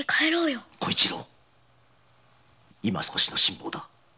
小一郎今少しの辛抱だ。